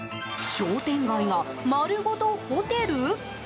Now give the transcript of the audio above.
商店街がまるごとホテル？